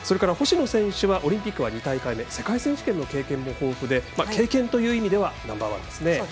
星野選手はオリンピックは２大会目世界選手権の経験も豊富で経験という意味ではナンバーワンですね。